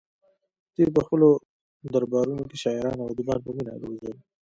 دوی په خپلو دربارونو کې شاعران او ادیبان په مینه روزل